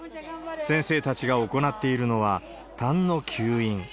先生たちが行っているのは、たんの吸引。